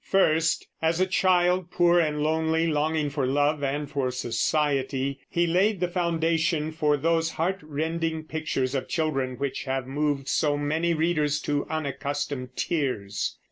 First, as a child, poor and lonely, longing for love and for society, he laid the foundation for those heartrending pictures of children, which have moved so many readers to unaccustomed tears.